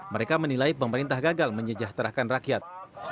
mereka menilai pemerintah gagal menyejahterakan rakyat